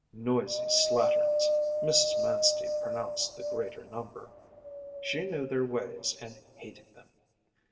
Noisy slatterns, Mrs. Manstey pronounced the greater number; she knew their ways and hated them.